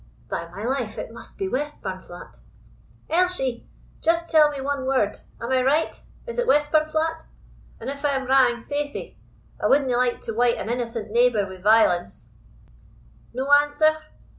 By My life, it must be Westburnflat. "Elshie, just tell me one word. Am I right? Is it Westburnflat? If I am wrang, say sae. I wadna like to wyte an innocent neighbour wi' violence No answer?